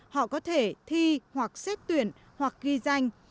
họ có thể thi hoặc xếp tuyển hoặc ghi danh